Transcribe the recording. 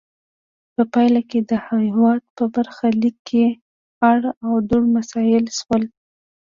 په پایله کې د هېواد په برخه لیک کې اړ او دوړ مسلط شول.